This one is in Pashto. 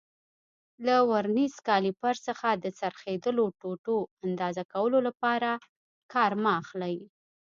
له ورنیز کالیپر څخه د څرخېدلو ټوټو اندازه کولو لپاره کار مه اخلئ.